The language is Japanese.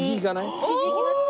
築地行きますか。